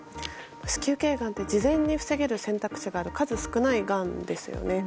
子宮頸がんって事前に防げる選択肢がある数少ないがんですよね。